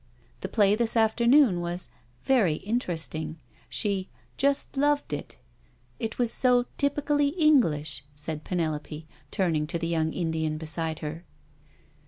The play this afternoon was ^' very interest ing "— she " just loved it "—" it was so typically English I'' said Penelope, turning to the young Indian beside her.